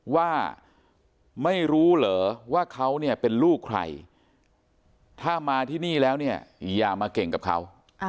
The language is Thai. ว่าไม่รู้เหรอว่าเขาเนี่ยเป็นลูกใครถ้ามาที่นี่แล้วเนี่ยอย่ามาเก่งกับเขา